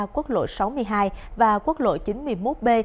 quốc lộ sáu mươi hai và quốc lộ chín mươi một b